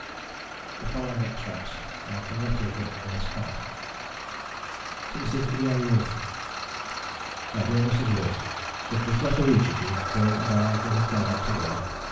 The following extracts are from letters written by Scott: To Mrs. E. A. Wilson MY DEAR MRS. WILSON. If this letter reaches you, Bill and I will have gone out together.